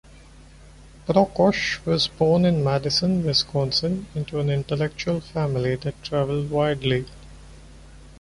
Prokosch was born in Madison, Wisconsin, into an intellectual family that travelled widely.